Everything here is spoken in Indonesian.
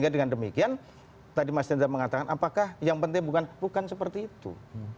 dan tadi mas tendang mengatakan apakah yang penting bukan seperti itu